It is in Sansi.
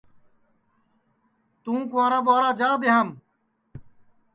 توں کِنٚوارا ٻُورا جا ٻیاںٚم